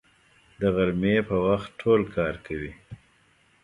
د غرمې په وخت ټول کار کوي